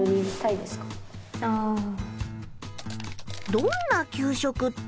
どんな給食って。